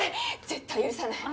絶対許さない。